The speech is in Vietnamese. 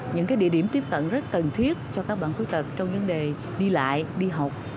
những địa điểm tiếp cận rất cần thiết cho các bạn khuyết tật trong vấn đề đi lại đi học